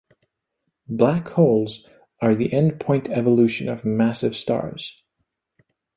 Black holes are the end point evolution of massive stars.